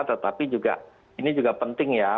tetapi juga ini juga penting ya